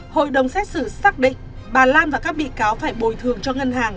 hội đồng xét xử xác định bà lan và các bị cáo phải bồi thường cho ngân hàng